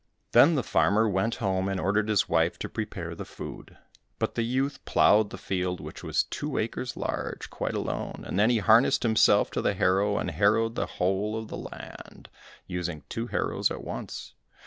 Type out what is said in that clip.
Then the farmer went home, and ordered his wife to prepare the food; but the youth ploughed the field which was two acres large, quite alone, and then he harnessed himself to the harrow, and harrowed the whole of the land, using two harrows at once.